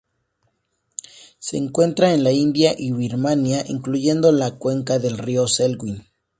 Se encuentra en la India y Birmania, incluyendo la cuenca del río Salween.